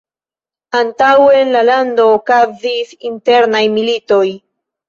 Antaŭe en la lando okazis internaj militoj.